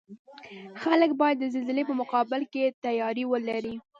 خلک باید د زلزلې په مقابل کې تیاری ولري